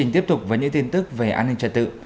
tiếp tục với những tin tức về an ninh trật tự